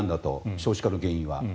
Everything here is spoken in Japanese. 少子化の原因は。